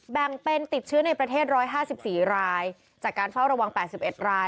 แบ่งเป็นติดเชื้อในประเทศร้อยห้าสิบสี่รายจากการเฝ้าระวังแปดสิบเอ็ดราย